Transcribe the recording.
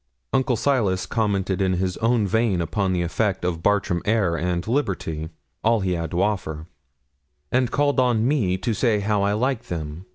Uncle Silas commented in his own vein upon the effect of Bartram air and liberty, all he had to offer; and called on me to say how I liked them.